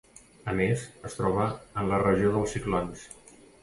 A més, es troba en la regió dels ciclons.